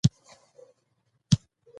جو دانې قدر یو لعل په کې پیدا شي.